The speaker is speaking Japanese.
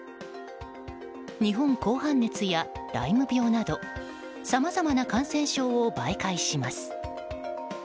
日本紅斑熱やライム病などさまざまな感染症を媒介します。